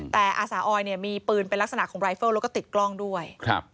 แต่อาสาออยเนี่ยมีปืนเป็นลักษณะของรายเฟิลแล้วก็ติดกล้องด้วย